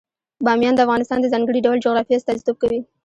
بامیان د افغانستان د ځانګړي ډول جغرافیه استازیتوب کوي.